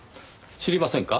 知りませんか？